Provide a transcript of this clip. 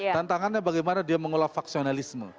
tantangannya bagaimana dia mengolah faksionalisme